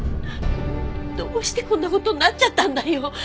どうしてこんな事になっちゃったんだよ。